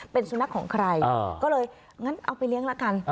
เป็นสุนัขของใครก็เลยงั้นเอาไปเลี้ยงละกัน